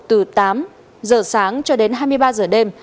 từ tám giờ sáng cho đến hai mươi ba giờ đêm